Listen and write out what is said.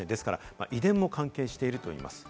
ですから、遺伝も関係しているといいます。